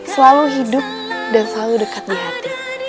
selalu hidup dan selalu dekat di hati